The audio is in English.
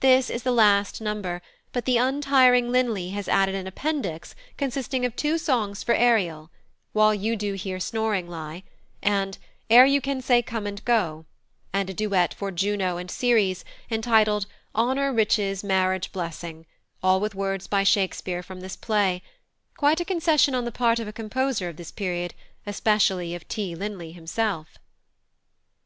This is the last number, but the untiring Linley has added an appendix consisting of two songs for Ariel, "While you here do snoring lie" and "Ere you can say come and go," and a duet for Juno and Ceres, entitled "Honour, riches, marriage, blessing"; all with words by Shakespeare from this play quite a concession on the part of a composer of this period, especially of T. Linley himself.